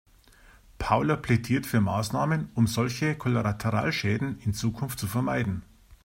Paula plädiert für Maßnahmen, um solche Kollateralschäden in Zukunft zu vermeiden.